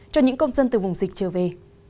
cho những công dân từ vùng dịch trở về